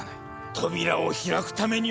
扉を開くためには。